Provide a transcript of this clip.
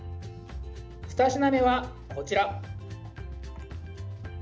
ふた品目はこちら。